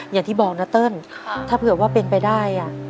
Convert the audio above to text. อย่างที่บอกนะเติ้ลถ้าเผื่อว่าเป็นไปได้